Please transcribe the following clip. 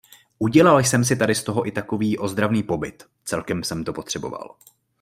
Udělal jsem si tady z toho i takový ozdravný pobyt - celkem jsem to potřeboval.